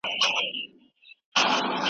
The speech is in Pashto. موږ د شریعت له احکامو سره مخالفت نه کوو.